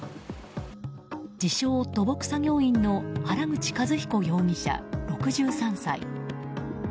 自称土木作業員の原口一彦容疑者、６３歳。